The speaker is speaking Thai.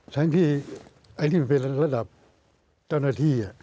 ฉะนั้นที่อันนี้มันเป็นระดับเจ้าหน้าที่